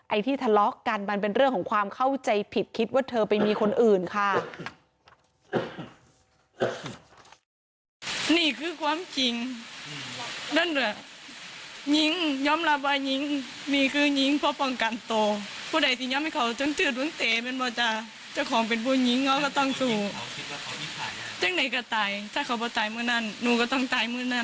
ที่ทะเลาะกันมันเป็นเรื่องของความเข้าใจผิดคิดว่าเธอไปมีคนอื่นค่ะ